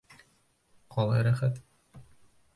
Ҡалай рәхәт.